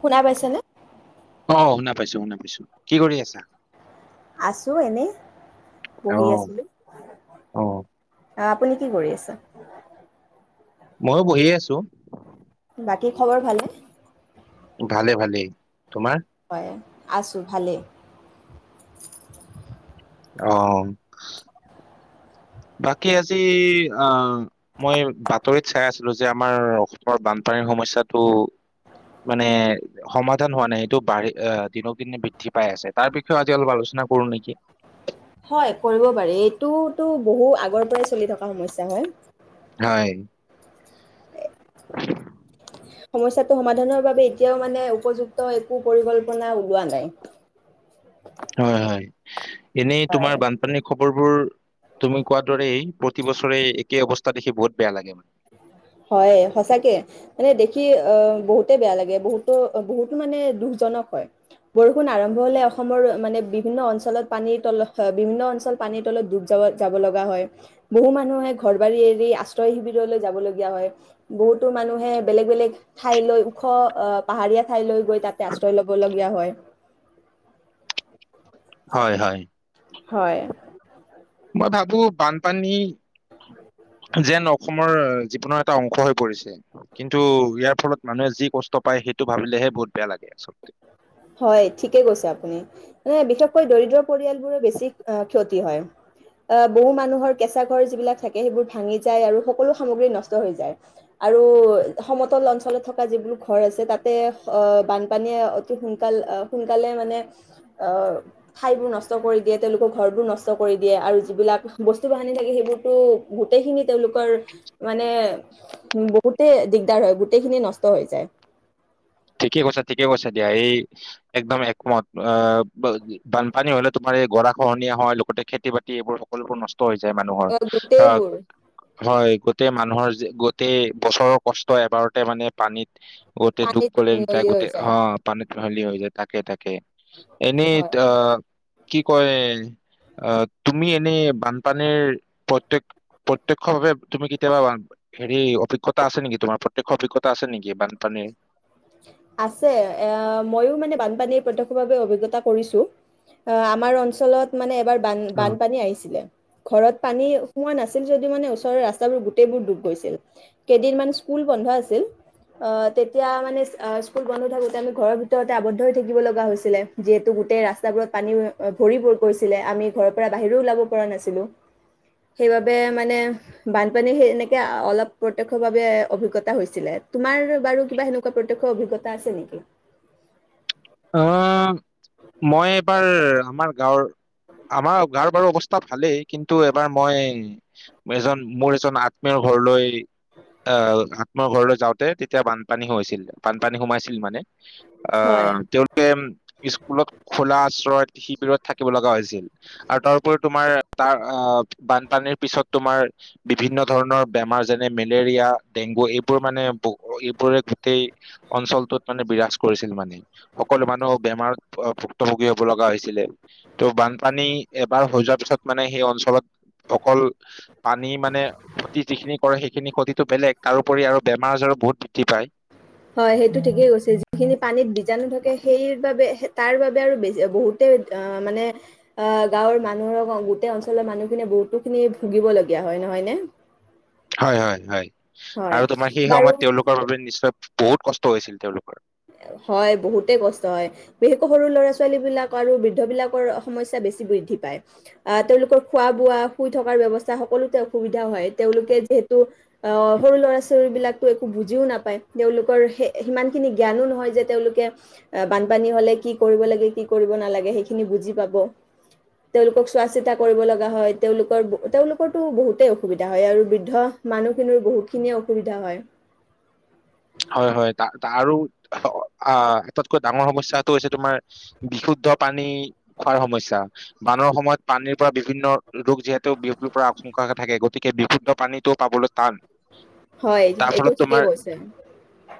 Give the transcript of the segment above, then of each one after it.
শুনা পাইছোনে অ শুনা পাইছো শুনা পাইছো। কি কৰি আছা? আছো এনেই অ পঢ়ি আছিলো অ আ আপুনি কি কৰি আছে ময়ো বহিয়ে আছো বাকী খবৰ ভালে নে? ভালে ভালে তোমাৰ হয় আছোঁ ভালেই অ বাকী আজি আহ মই বাতৰিত চাই আছিলো যে আমাৰ বাকি আছি আ অসমৰ বানপানীৰ সমস্যাটো মানে সমাধান হোৱা নাই এইটো বাঢ়ি আহ দিনক দিনে বৃদ্ধি পাই আছে তাৰ বিষয়েও আজি অলপ আলোচনা কৰো নেকি হয় কৰিব পাৰি এইটোতো বহু আগৰ পৰাই চলি থকা সমস্যা হয় হয় সমস্যাটো সমাধানৰ বাবে এতিয়াও মানে উপযুক্ত একো পৰিকল্পনা ওলোৱা নাই হয় হয় [unintelligible] এনেই হয় তোমাৰ বানপানী খুব খবৰবোৰ তুমি কোৱাৰ দৰেই প্ৰতিবছৰে একে অৱস্থা দেখি বহুত বেয়া লাগে মানে হয় সচাকে মানে দেখি আহ বহুতে বেয়া লাগে বহুতো বহুতো মানে দুখজনক হয় বৰষুণ আৰম্ভ হলে অসমৰ বিভিন্ন অঞ্চলত পানীৰ তলত বিভিন্ন অঞ্চলত পানীৰ তলত ডুব যাব যাব লগা হয় বহু মানুহে ঘৰ বাৰী এৰি আশ্ৰয় শিবিৰলৈ যাব লগি। হয় বহুতো মানুহে বেলেগ বেলেগ ঠাইলৈ ওখ আহ পাহাৰীয়া ঠাইলৈ গৈ তাতে আশ্ৰয় লব লগগীয়া হয়। হয় হয়। হয়। মই ভাবো বানপানী যেন অসম মৰ জীৱনৰ এটা অংশ হৈ পৰিছে, কিন্তু ইয়াৰ ফলত মানুহে যি কষ্ট পায় সেইটো ভাবিলেহে বহুত বেয়া লাগে আচল হয় ঠিকে কৈছে আপুনি, মানে বিশেষকৈ দৰিদ্ৰ পৰিয়াল বোৰৰ বেছি ক্ষতি তি হয়, আহ বহু মানুহৰ কেঁচা ঘৰ যিবিলাক থাকে সেইবোৰ ভাঙি যায় আৰু সকলো সামগ্ৰী নষ্ট হৈ যায়, আৰু সমতল অঞ্চলত থকা যিবিলাক ঘৰ আছে তাতে আহ বানপানীয়ে সোনকাল আহ সোনকালে মানে, আহ ঠাইবোৰ নষ্ট কৰি দিয়ে তেওঁলোকৰ ঘৰবোৰ নষ্ট কৰি দিয়ে আৰু যিবিলাক বস্তু বাহানি থাকে সেইবোৰতো গোটেইখিনি তেওঁলোকৰ মানে বহুতে দিগদাৰ হয় গোটেইখিনি নষ্ট হৈ যায়। ঠিকে কৈছে ঠিকে কৈছে দিয়া এই একদম একমত অ বানপানী হলে তোমাৰ এই গৰা খহনীয়া হয় লগতে খেতি বাতি এইবোৰ সকলোবোৰ নষ্ট হৈ যায় মানুহৰ, আহ, আহ গোটেইবোৰ হয়। গোটেই মানুহৰ যে, গোটেই বছৰৰ কষ্ট এবাৰতে মানে পানীত গোটেই তো পানীত মিহলি হৈ যায় [unintelligible] মিহলি হৈ যায় তাকে তাকে। কে, এনে হয় তা কি কয়, আহ তুমি এনে বানপানীৰ প্ৰত্যেক প্ৰত্যক্ষ ভাৱে তুমি কেতিয়া বান হেৰি অভিজ্ঞতা আছে নেকি তোমাৰ প্ৰত্যেক অভিজ্ঞতা আছে নেকি বানপানীৰ? আছে, এ ময়ো মানে বানপানীৰ প্ৰত্যক্ষভাৱ অভিজ্ঞতা কৰিছো, আমাৰ অঞ্চলত মানে এবাৰ বান অ'। বানপানী আহিছিলে। ঘৰত পানী সোমোৱা নাছিল, যদিও মানে ওচৰৰ ৰাস্তাবোৰ গোটেইবোৰ ডুব গৈছিল, কেইদিন মান স্কুল বন্ধ আছিল তেতিয়া মানে অ, স্কুল বন্ধ থাকোঁতে আমি ঘৰৰ ভিতৰতে আৱদ্ধ হৈ থাকিব লগা হৈছিলে, যিহেতু গোটেই ৰাস্তাবোৰত পানী ভৰি পৰিছিলে আমি ঘৰৰ পৰা বাহিৰও ওলাব পৰা নাছিলো সেইবাবে মানে বানপানী স এনেকে অলপ প্ৰত্যয়ক্ষ বাবে অভিজ্ঞতা হৈছিলে, তোমাৰ বাৰু কিবা সেনেকুৱা প্ৰত্যক্ষ অভিজ্ঞতা আছে নেকি? অ, মই এবাৰ আমাৰ গাঁৱৰ, আমাৰ গাঁৱৰ বাৰু অৱস্থা ভালেই কিন্তু এবাৰ মই এজন মোৰ এজন আত্মীয়ৰ ঘৰলৈ, আহ আত্মীয়ৰ ঘৰলৈ যাওঁতে তেতিয়া বানপানী হৈছিল বানপানী সোমাইছিল মানে। হয় অ। তেওঁলোকে, স্কুলত খোলা আশ্ৰয় শিবিৰত থাকিব লগা হৈছিল আৰু তাৰোপৰি তোমাৰ তাৰ আহ বানপানীৰ পিছত তোমাৰ বিভিন্ন ধৰণৰ বেমাৰ যেনে মেলেৰিয়া, ডেংগু এইবোৰ মানে ব এইবোৰে গোটেই অঞ্চলটোত মানে বিৰাজ কৰিছিল মানে সকলো মানুহ বেমাৰ ভুক্তভোগী হ'ব লগা হৈছিলে, ত' বানপানী এবাৰ হৈ যোৱাৰ পিছত মানে সেই অঞ্চলত অকল পানী মানে ক্ষতি যিখিনি কৰে সেইখিনি ক্ষতিটো বেলেগ তাৰপৰি আৰু বেমাৰ আজাৰো বহুত বৃদ্ধি পায়। হয় সেইটো ঠিকেই কৈছে যিখিনি পানীত বীজাণু থাকে সেই বাবে তাৰ বাবে আৰু বেছি বহুতে মানে গাঁৱৰ মানুহৰ গোটেই অঞ্চলৰ মানুহখিনি বহুতো খিনি ভুগিবলগীয়া হয় নহয় নে হয় হয় হয়, আৰু তোমাৰ সেই বাৰু সময়ত তেওঁলোকৰ বাবে নিশ্চয় বহুত কষ্ট হৈছিল তেওঁলোকৰ। হয় বহুতে কষ্ট হয়, বিশেষকৈ সৰু ল'ৰা ছোৱালী বিলাক আৰু বৃদ্ধ বিলাকৰ সমস্যা বেছি বৃদ্ধি পায়, আহ তেওঁলোকৰ খোৱা বোৱা, শুই থকাৰ ব্যৱস্থা সকলোতে অসুবিধা হয় তেওঁলোকে যিহেতু আহ সৰু ল'ৰা ছোৱালী বিলাকো একো বুজিও নাপায় তেওঁলোকৰ স সিমান খিনি জ্ঞানো নহয় যে তেওঁলোকে বানপানী হলে কি কৰিব লাগে, কি কৰিব নালাগে সেইখিনি বুজি পাব, তেওঁলোকক চোৱা চিতা কৰিব লগা হয়, তেওঁলোকৰ তেওঁলোকৰো বহুতেই অসুবিধা হয় আৰু বৃদ্ধ মানুহখিনিৰ বহুখিনিয়ে অসুবিধা হয়। হয় হয় ত আৰু আটতকৈ ডাঙৰ সমস্যা হৈছে তোমাৰ বিশুদ্ধ পানী খোৱাৰ সমস্যা, বানৰ সময়ত পানীৰ পৰা বিভিন্ন ৰোগ যিহেতু পৰা আশংকা থাকে গতিকে বিশুদ্ধ পানীতটো পাবলৈ টান। হয় তাৰ এইটো ফলত ঠিকেই তোমাৰ কৈছে।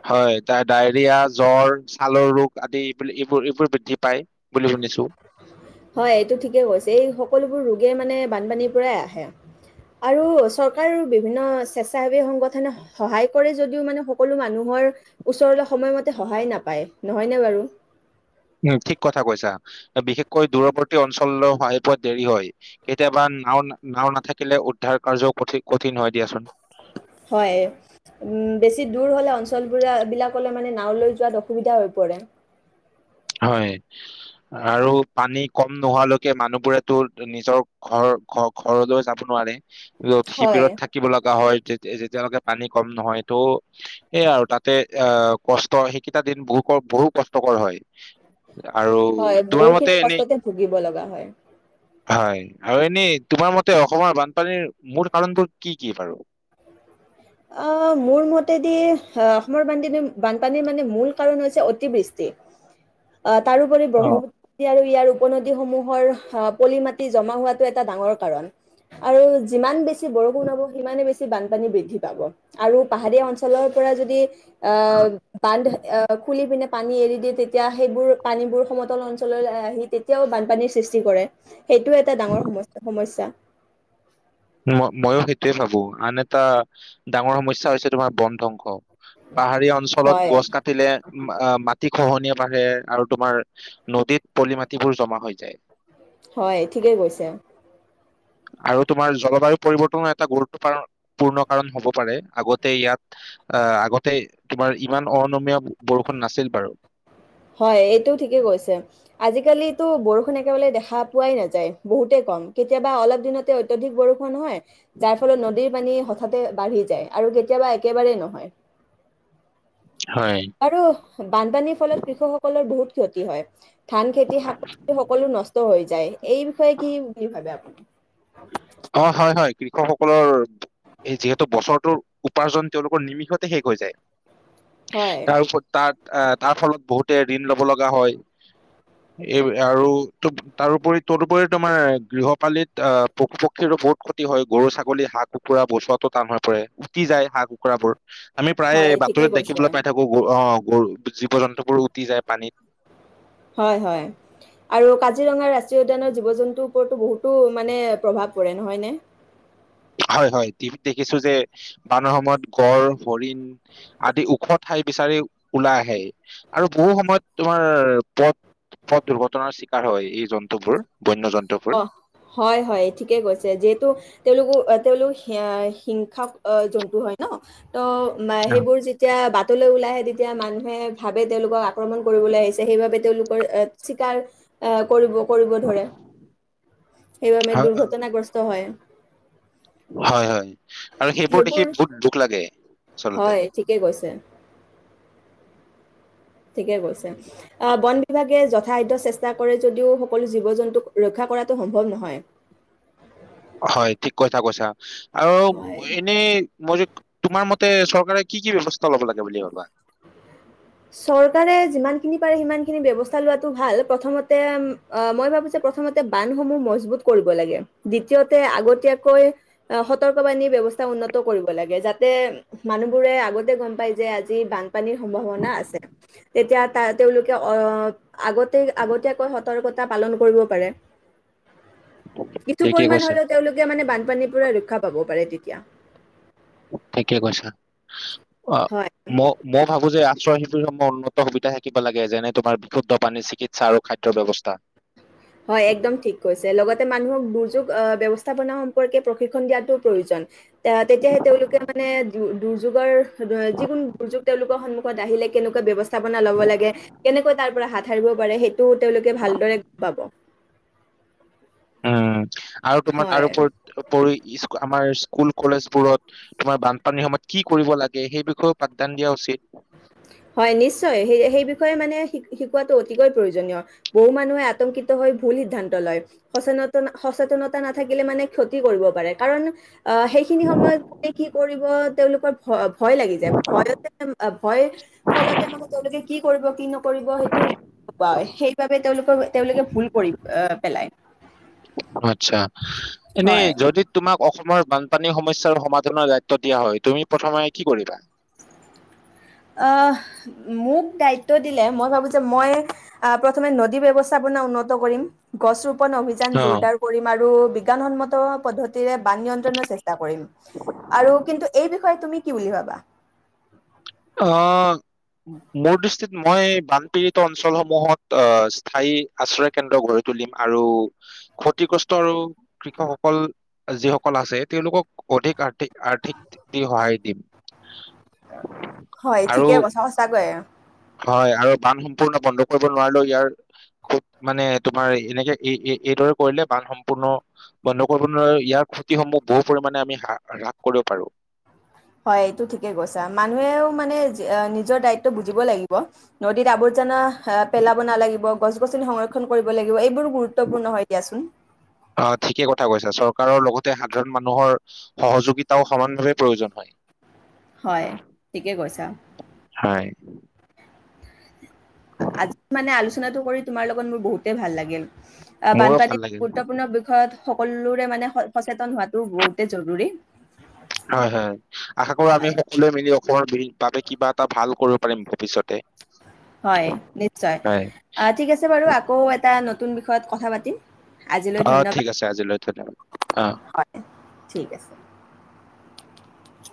হয় এ ডায়েৰিয়া জ্বৰ ছালৰ ৰোগ আদি এই এইবোৰ এইবোৰ বৃদ্ধি পায় বুলি শুনিছো হয় এইটো ঠিকেইকৈছে এই সকলোবোৰ ৰোগে মানে বানপানীৰ পৰাই আহে আৰু চৰকাৰৰ বিভিন্ন স্বেচ্ছাসেৱী সংগঠনে সহায় কৰে যদিও মানে সকলো মানুহৰ ওচৰলৈ সময়মতে সহায় নাপায় নহয়নে বাৰু উম ঠিক কথা কৈছা বিশেষকৈ দূৰৱৰ্তী অঞ্চললৈ স পোৱা দেৰি হয় কেতিয়াবা নাও নাও নাথাকিলে উদ্ধাৰ কাৰ্যও কঠ কঠিন হয় দিয়াচোন। হয় বেছি দূৰ হলে অঞ্চলব বিলাকলৈ মানে নওলৈ যোৱাত অসুবিধা হৈ পৰে? হয় আৰু পানী কম নোহোৱালৈকে মানুহবোৰেতো নিজৰ ঘৰ ঘ ঘৰলৈ যাব নোৱাৰে । হয়, শিবিৰত থাকিব লগা হয়। যেতিয়ালৈকে পানী কম নহয় তো এই আৰু তাতে অ কষ্ট সেইকেইটা দিন বহু বহু কষ্টকৰ হয়। আৰু হয় তোমাৰ মতে বহুখিনি এনেই কষ্টতে ভুগিব লগা হয়। হয় আৰু এনে তোমাৰ মতে অসমৰ বানপানীৰ মূল কাৰণবোৰ কি কি বাৰু অ মোৰ মতেদি অসমৰ বানপান বানপানীৰ মানে মূল কাৰণ হৈছে অতিবৃষ্টি তাৰোপৰি অ ব্ৰহ্মপুত আৰু ইয়াৰ উপ নদীসমূহৰ পলি মাটি জমা হোৱাাতটো এটা ডাঙৰ কাৰণ আৰু যিমান বেছি বৰষুণ হব সিমানে বেছি বানপানী বৃদ্ধি পাব। আৰু পাহাৰীয়া অঞ্চলৰ পৰা যদি অ বান্ধ অ খুলি পিনে পানী এৰি দিয়ে তেতিয়া সেইবোৰ পানীবোৰ সমতল অঞ্চললৈ আহি তেতিয়াও বানপানীৰ সৃষ্টি কৰে । সেইটো এটা ডাঙৰ সম্য সমস্যা,, ম ময়ো সেইটোয়ে ভাবো আন এটা ডাঙৰ সমস্যা হৈছে তোমাৰ বন ধ্বংস পাহাৰীয়া অঞ্চলত হয় গছ কাটিলে মাটি খহনীয়া, বাঢ়ে আৰু তোমাৰ নদীত পলি মাটিবোৰ জমা হৈ যায়। হয় ঠিকেই কৈছে আৰু তোমাৰ জলবায়ু পৰিৱৰ্তনৰ এটা গুৰুত্বপূৰ্ণ কাৰণ হব পাৰে আগতে ইয়াত আহ আগতে তোমাৰ ইমান অনমীয় বৰষুণ নাছিল বাৰু। হয় এইটোও ঠিকেই কৈছে আজিকালো বৰষুণ একেবাৰে দেখা পোৱাই নাযায় বহুতে কম কেতিয়াবা অলপ দিনতে অত্যাধিক বৰষুণহ হয় যাৰ ফলত নদীৰ পানী হঠাতে বাঢ়ি যায় আৰু কেতিয়াবা একেবাৰেেই নহয়। হয় আৰু বানপানীৰ ফলত কৃষকসকলৰ বহুত ক্ষতি হয়। ধান খেতি শাক পাচলি সকলো নষ্ট হৈ যায়। যায়। এই বিষয়ে কি বুলি ভাবে আপুনি অ হয় হয়। কৃষকসকলৰ যিহেতু বছৰটোৰ উপাৰ্জন তেওঁলোকৰ নিমিষতে শেষ হৈ যায়। হয়, তাৰপৰত তাত আহ তাৰ ফলত বহুতে ঋণ ল'ব লগা হয় এই আৰু তাৰোপৰি তদুপৰি তোমাৰ গৃহপালিত আহ পশু পক্ষীৰো বহুত ক্ষতি হয় গৰু ছাগলী হাঁহ কুকুৰা বচোৱাতটো টান হৈ পৰে উটি যায় হাঁহ কুকুৰাবোৰ আমি প্ৰায় হয়, ঠিকে বাতৰিত কৈছে। দেখিবলৈ পাই থাকো অ গৰু জীৱ জন্তুবোৰো উটি যায় পানীত। হয় হয় আৰু কাজিৰঙা ৰাষ্ট্ৰীয় উদ্যানৰ জীৱ জন্তুৰ ওপৰতো বহুতো মানে প্ৰভাৱ পৰে নহয়নে? হয় হয় টিভিত দেখিছো যে বানৰ সময়ত গড় হৰিণ আদি ওখ ঠাই বিচাৰি ওলাই আহে আৰু বহু সময়ত তোমাৰ পথ পথ দুৰ্ঘটনাৰ চিকাৰ হয় এই জন্তুবোৰ বন্য জন্তুবোৰ অ হয় হয় ঠিকেই কৈছে যিহেতু তেওঁলোকে। তেওঁলোক হিংসা জন্তু হয় ন ত সেইবোৰ যেতিয়া বাটলৈ ওলাই আহে দিব এতিয়া মানুহে ভাবে তেওঁলোকৰ আক্ৰমণ কৰিবলৈ আহিছে সেইবাবে তেওঁলোক এত চিকাৰ এে কৰিব। কৰিব ধৰে সেইবাবে হয় দুৰ্ঘটনাগ্ৰস্ত হয়। হয় হয় হয়। আৰু সেইবোৰ দেখি বহুত দুখ লাগে। হয় ঠিকেই কৈছে? উম ঠিকে কৈছে আহ বন বিভাগে যে খাদ্য চেষ্টা কৰে যদিও সকলো জীৱ জন্তুক ৰক্ষা কৰাটো সম্ভৱ নহয়। হয় ঠিক কথা কৈছা। আৰু হয় এনেই মই যে তোমাৰ মতে চৰকাৰে কি কি ব্যৱস্থা লব লাগে বুলি ভাবা। চৰকাৰে যিমানখিনি পাৰে সিমানখিনি ব্যৱস্থা লোৱাটো ভাল প্ৰথমতে মই ভাবো যে প্ৰথমতে বান্ধসমূহ মজবুত কৰিব লাগে দ্বিতীয়তে আগতীয়াকৈ সতৰ্কবাণী ব্যৱস্থা উন্নত কৰিব লাগে যাতে মানুহবোৰে আগতে গম পাই যে আজি বানপানীৰ সম্ভাৱনা বনা আছে তেতিয়া তা তেওঁলোকে অ আগতে আগতীয়াকৈ সতৰ্কতা পালন কৰিব পাৰে কিছু ঠিকে পৰিমান কৈছা হ'লেও তেওঁলোকে মানে বানপানীৰ পৰা ৰক্ষা পাব পাৰে তেতিয়া কিয় থাকে কৈছা অ হয়। মই মই ভাবো যে শিবিৰসমূহ উন্নত সুবিধা থাকিব লাগে যেনে তোমাৰ বিশুদ্ধ পানী চিকিৎসা আৰু খাদ্যৰ ব্যৱস্থা হয়, একদম ঠিক কৈছে। লগতে মানুহক দুৰ্যোগ আহ ব্যয়ৱস্থাপনা সম্পৰ্কে প্ৰশিক্ষণ দিয়াটো প্ৰয়োজন এ তেতিয়াহে তেওঁলোকে মানে দুৰ্যোগৰ যিকোনো দুৰ্যোগ তেওঁলোকৰ সন্মুখীন আহিলে কেনেকুৱা ব্যৱস্থা লব লে কেনেকৈ তাৰ পৰা ধাৰিব পাৰে সেইটোও তেওঁলোকে ভালদৰে পাব অ আৰু তোমাৰ তাৰ হয়। ওপৰত পৰি ইচ আমাৰ স্কুল কলেজবোৰত তোমাৰ বানপানীৰ সময়ত কি কৰিব লাগে সেই বিষয়েও পাঠদান দিয়া উচিত হয় নিশ্চয় সেই সেই বিষয়ে মানে শিকোৱাটো অতিকৈ প্ৰয়োজনীয় বহু মানুহে আতংকিত হৈ ভুল সিদ্ধান্ত লয় সচেত সচেতনতা নাথাকিলে মানে ক্ষতি কৰিব পাৰে কাৰণ অ সেইখিনি সময়ত ততে কি কৰিব তেওঁলোকৰ ভ ব ভয় লাগি যায় ভয়তে হয় ল মানে তেওঁলোকে কি কৰিব কি নকৰিব সেইটো সেইবাবে তেওঁলোকে তেওঁলোকে ভুল কৰি অ পেলায় আচ্ছা এনে যদি তোমাক অসমৰ বানপানীৰ সমস্যাৰ সমাধানৰ দায়িত্ব দিয়া হয় তুমি প্ৰথমে কি কৰিবা অ মোক দায়িত্ব দিলে মই ভাবো যে মই প্ৰথমে নদী ব্যৱস্থাপনা উন্নত কৰিম গছ ৰো অভিযান অ জোৰদাৰ কৰিম আৰু বিজ্ঞানসন্মত পদ্ধতিৰে বান নিয়ন্ত্ৰণৰ চেষ্টা কৰিম আৰু কিন্তু এই বিষয়ে তুমি কি বুলি ভাবা আহ মোৰ দৃষ্টিত মই বানপীডিত অঞ্চলসমূহত আহ স্থায়ী আশ্ৰয় কেন্দ্ৰ গঢ়ি তুলিম আৰু ক্ষতিগ্ৰস্ত আৰু কৃষকসকল যিসকল আছে তেওঁলোকক অধিক আৰ্থিক আৰ্থিক দি সহায় দিম হয় আৰু ঠিকে কছা সঁচাকৈয় হয় আৰু বান সম্পূৰ্ণ বন্ধ কৰিব নোৱাৰিলেও ইয়াৰ খু মানে তোমাৰ এনেকে এ এই এইদৰে কৰিলে বান সম্পূৰ্ণ বন্ধ কৰিব নোৱাৰিলে ইয়াৰ ক্ষতিসমূহ বহু পৰিমণে আমি হ হ্ৰাস কৰিব পাৰো হয় এইটো ঠিকে কৈছা মানুহেও মানে নিজৰ দায়িত্ব বুজিব লাগিব নদীত আৱৰ্জনা পেলাব নালাগিব গছ গ সংৰক্ষণ কৰিব লাগিব এইবোৰ গুৰুত্বপূৰ্ণ হয় দিয়াচোন অ ঠিকে কথা কৈছা চৰকাৰৰ লগত সাধাৰণ মানুহৰ সহযোগিতাও সমানভাৱে প্ৰয়োজন হয় হয় ঠিকে কৈছা হয় আজি মানে আলোচ আলোচনাটো কৰি তোমাৰ লগত মোৰ বহুতেই ভাল লাগিল আহ মোৰো ভাল বানপানী লাগিল গুৰুত্বপূৰ্ণ বিষয়ত সকলোৰে মানে স সচেতন হোৱাটো বহুতে জৰুৰী হয় হয় আশা কৰো আমি হয়, সকলোৱে মিলি অসমৰ বাবে কিবা এটা ভাল কৰিব পাৰি ভৱিষ্যত হয় নিশ্চয় হয় আহ ঠিক আছে বাৰু আকৌ এটা নতুন বিষয় বিষয়ত কথা পাতিম আজিলৈ আহ ধন্যবাদ। ঠিক আছে আজিলৈ ধন্যবাদ, আহ। হয়, ঠিক আছে।